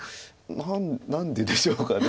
何ででしょうか。